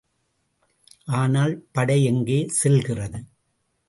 ஆனால், படை எங்கே செல்கிறது?